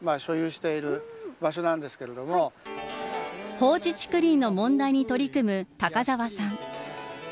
放置竹林の問題に取り組む高澤さん。